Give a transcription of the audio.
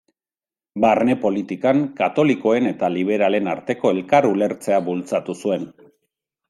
Barne politikan, katolikoen eta liberalen arteko elkar-ulertzea bultzatu zuen.